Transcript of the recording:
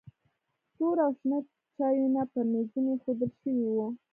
تور او شنه چایونه پر میزونو ایښودل شوي وو.